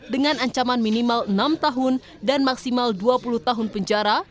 dengan ancaman minimal enam tahun dan maksimal dua puluh tahun penjara